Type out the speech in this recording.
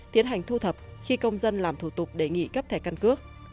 tiến hành thu thập khi công dân làm thủ tục đề nghị cấp thẻ căn cước